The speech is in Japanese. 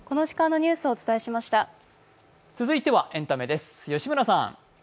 続いてはエンタメです、吉村さん。